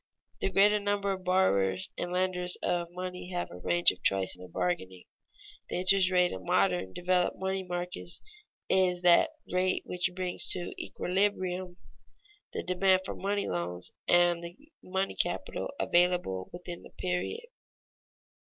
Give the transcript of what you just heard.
The greater number of borrowers and lenders of money have a range of choice in their bargaining. The interest rate in modern developed money markets is that rate which brings to equilibrium the demand for money loans and the money capital available within the period.